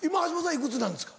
いくつなんですか？